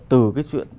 từ cái chuyện